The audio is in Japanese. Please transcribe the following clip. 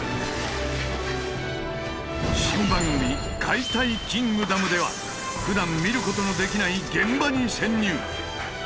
新番組「解体キングダム」ではふだん見ることのできない現場に潜入。